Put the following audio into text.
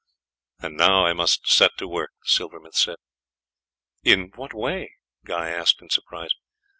"And now I must set to work," the silversmith said. "In what way?" Guy asked in surprise.